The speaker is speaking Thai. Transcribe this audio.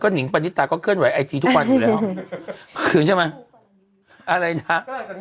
หนิงปณิตาก็เคลื่อนไหวไอจีทุกวันอยู่แล้วคืนใช่ไหมอะไรนะฮะ